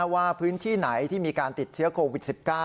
ว่าพื้นที่ไหนที่มีการติดเชื้อโควิด๑๙